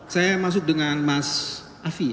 saya masuk dengan mas afi